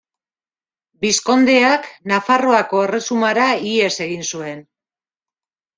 Bizkondeak Nafarroako Erresumara ihes egin zuen.